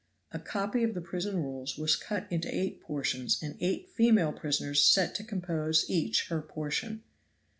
A copy of the prison rules was cut into eight portions and eight female prisoners set to compose each her portion.